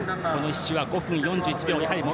この１周は５分４１秒。